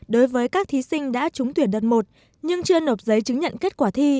đối với các thí sinh đã trúng tuyển đợt một nhưng chưa nộp giấy chứng nhận kết quả thi